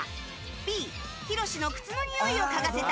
Ｂ、ひろしの靴の匂いを嗅がせた。